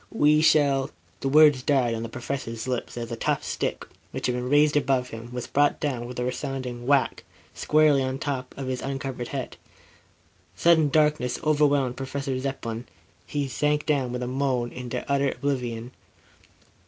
We shall " The words died on the Professor's lips, as the tough stick, which had been raised above him, was brought down with a resounding whack, squarely on the top of his uncovered head. Sudden darkness overwhelmed Professor Zepplin. He sank down with a moan, into utter oblivion.